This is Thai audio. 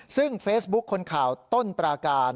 ซึ่งเฟซบุ๊คคนข่าวต้นปราการ